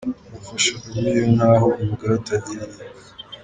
Agafasha famille ye nkaho umugore atagira iye.